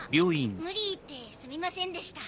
無理言ってすみませんでした。